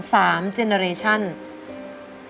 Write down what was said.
สามรุ่นแบบนี้เลยพี่โอรู้สึกยังไงบ้าง